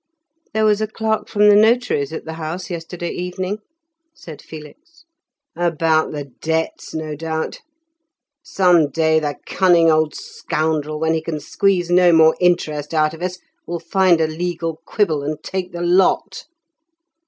"There was a clerk from the notary's at the house yesterday evening," said Felix. "About the debts, no doubt. Some day the cunning old scoundrel, when he can squeeze no more interest out of us, will find a legal quibble and take the lot."